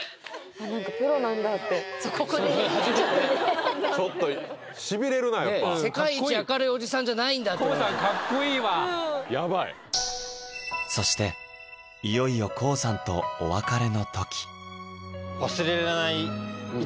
そうここでねちょっとねちょっとしびれるなやっぱ世界一明るいおじさんじゃないんだとＫＯＯさんかっこいいわヤバいそしていよいよＫＯＯさんといえいえ